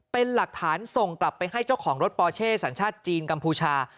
เป็นหลักฐานส่งกลับไปให้เจ้าของรถปอเช่สัญชาติจีนกัมพูชา